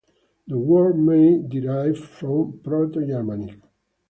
The word may derive from Proto-Germanic.